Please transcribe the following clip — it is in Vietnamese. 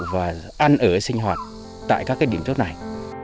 và ăn ở sinh hoạt tại các điểm trước này